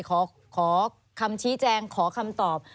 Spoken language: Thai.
ขอคำชี้แจงขอคำตอบ